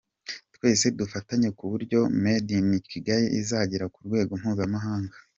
Twese dufatanye ku buryo Made In Kigali izagera ku rwego mpuzamahanga.